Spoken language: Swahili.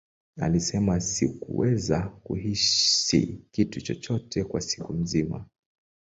Alisema, Sikuweza kuhisi kitu chochote kwa siku nzima.